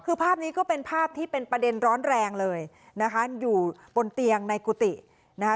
คือภาพนี้ก็เป็นภาพที่เป็นประเด็นร้อนแรงเลยนะคะอยู่บนเตียงในกุฏินะคะ